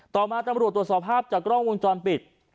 ต่อมาตำรวจตรวจสอบภาพจากกล้องวงจรปิด